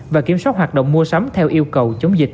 và kiểm soát hoạt động mua sắm theo yêu cầu chống dịch